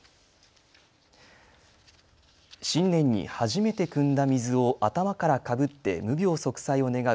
新年に初めてくんだ水を頭からかぶって無病息災を願う